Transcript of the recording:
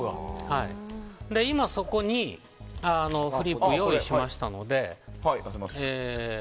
今、そこにフリップを用意しましたので。